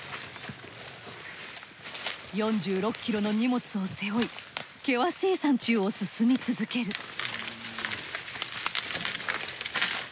４６ｋｇの荷物を背負い険しい山中を進み続ける。